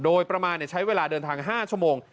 โดยประมาณใช้เวลาเดินทาง๕ชั่วโมง